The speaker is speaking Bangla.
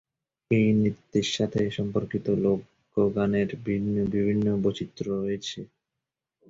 এই নৃত্যের সাথে সম্পর্কিত লোক গানের বিভিন্ন বৈচিত্র্য রয়েছে।